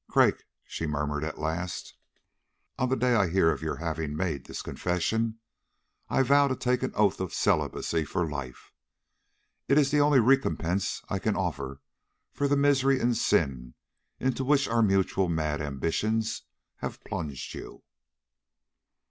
"Craik," she murmured, at last, "on the day I hear of your having made this confession, I vow to take an oath of celibacy for life. It is the only recompense I can offer for the misery and sin into which our mutual mad ambitions have plunged you."